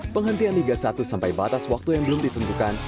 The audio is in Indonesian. penghentian liga satu sampai batas waktu yang belum ditentukan